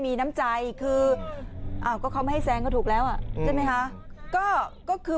มีน้ำใจคืออ้าวก็เขาไม่ให้แซงก็ถูกแล้วอ่ะใช่ไหมคะก็คือ